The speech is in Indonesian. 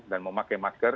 mau pakai masker